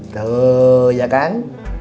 tuh ya kan